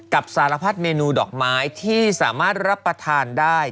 สารพัดเมนูดอกไม้ที่สามารถรับประทานได้